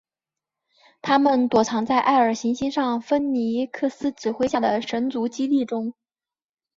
他们躲藏在艾尔行星上芬尼克斯指挥下的神族基地中。